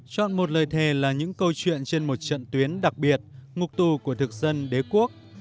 chọn một lời thề là những câu chuyện trên một trận tuyến đặc biệt ngục tù của thực dân đế quốc